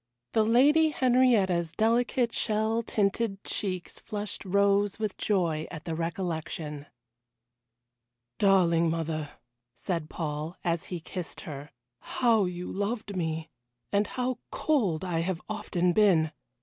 The Lady Henrietta's delicate shell tinted cheeks flushed rose with joy at the recollection. "Darling mother," said Paul, as he kissed her, "how you loved me. And how cold I have often been.